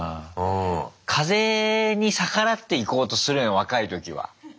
風に逆らっていこうとするよね若い時は。